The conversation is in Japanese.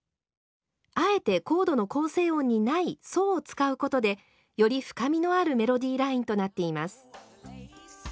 あえてコードの構成音にない「ソ」を使うことでより深みのあるメロディーラインとなっています。